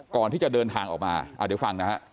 ก่อนที่จะเดินทางออกมาเดี๋ยวฟังนะฮะ